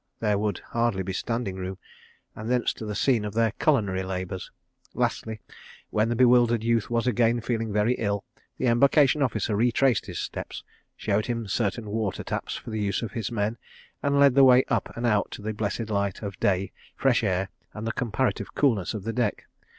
There would hardly be standing room—and thence to the scene of their culinary labours. Lastly, when the bewildered youth was again feeling very ill, the Embarkation Officer retraced his steps, showed him certain water taps for the use of his men, and led the way up and out to the blessed light of day, fresh air, and the comparative coolness of the deck.